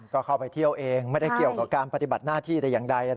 ก็เข้าไปเที่ยวเองไม่ได้เกี่ยวกับการปฏิบัติหน้าที่แต่อย่างใด